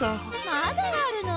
まだあるの？